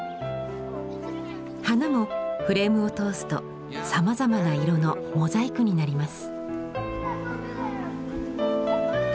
花もフレームを通すとさまざまな色のモザイクになります。